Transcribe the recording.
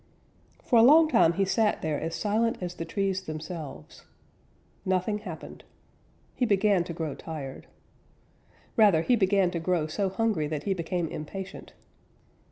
For a long time he sat there as silent as the trees themselves. Nothing happened. He began to grow tired. Rather, he began to grow so hungry that he became impatient.